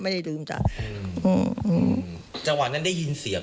มันอยู่ตรงไหนล่ะ